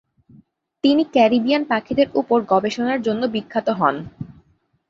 তিনি ক্যারিবিয়ান পাখিদের উপর গবেষণার জন্য বিখ্যাত হন।